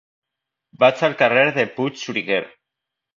Vaig al carrer de Puigxuriguer.